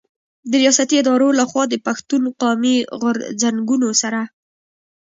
د رياستي ادارو له خوا د پښتون قامي غرځنګونو سره